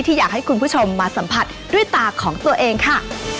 อยากให้คุณผู้ชมมาสัมผัสด้วยตาของตัวเองค่ะ